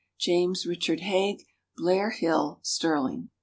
_James Richard Haig, Blair Hill, Sterling.